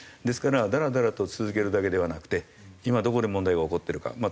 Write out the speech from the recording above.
ですからダラダラと続けるだけではなくて今どこで問題が起こっているか。